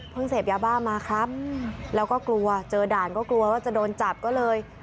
เสพยาบ้ามาครับแล้วก็กลัวเจอด่านก็กลัวว่าจะโดนจับก็เลย